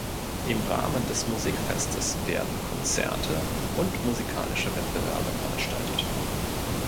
Im Rahmen des Musikfestes werden Konzerte und musikalische Wettbewerbe veranstaltet.